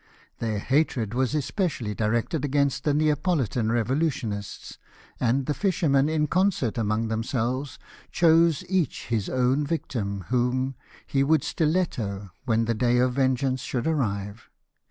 Their hatred was especially TROWBRIDGE'S POSITION. 179 directed against the Neapolitan revolutionists; and the Hshermen, in concert among themselves, chose each his own victim, whom he would stiletto when the day of vengeance should arrive.